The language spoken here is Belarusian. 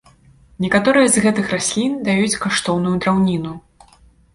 Некаторыя з гэтых раслін даюць каштоўную драўніну.